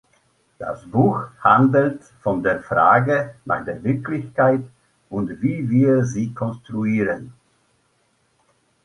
Das Buch handelt von der Frage nach der Wirklichkeit und wie wir sie „konstruieren“.